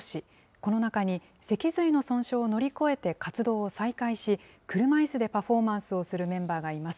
この中に、脊髄の損傷を乗り越えて活動を再開し、車いすでパフォーマンスをするメンバーがいます。